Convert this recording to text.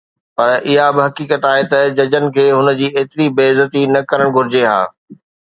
پر اها به حقيقت آهي ته ججن کي هن جي ايتري بي عزتي نه ڪرڻ گهرجي ها